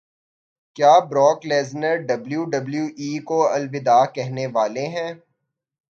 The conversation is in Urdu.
کیا Brock Lesnar W W E کو الوداع کہنے والے ہیں